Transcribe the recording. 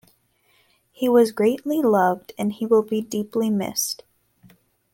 He was greatly loved and he will be deeply missed.